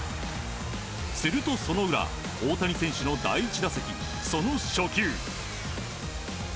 すると、その裏大谷選手の第１打席その初球。